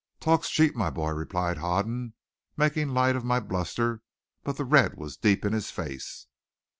"Talk's cheap, my boy," replied Hoden, making light of my bluster, but the red was deep in his face.